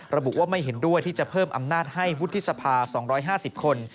ระบุว่าไม่เห็นด้วยที่จะเพิ่มอำนาจให้วุฒิสภา๒๕๐คน